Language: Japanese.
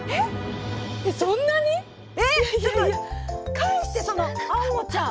返してそのアンモちゃん！